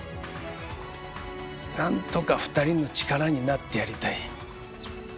なんとか２人の力になってやりたい。